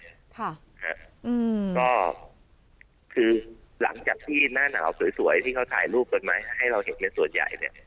ค่ะฮะอืมก็คือหลังจากที่หน้าหนาวสวยสวยที่เขาถ่ายรูปกันมาให้เราเห็นกันส่วนใหญ่เนี่ย